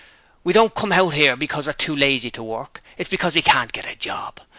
We don't come hout 'ere because we're too lazy to work; it's because we can't get a job.